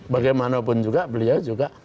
bagaimanapun juga beliau juga